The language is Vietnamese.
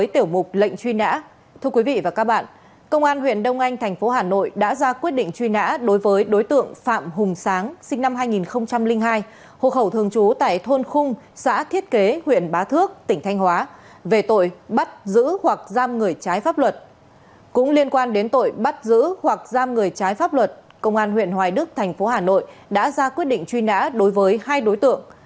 tiếp theo biên tập viên đinh hạnh sẽ chuyển đến quý vị và các bạn những thông tin về truy nã tội phạm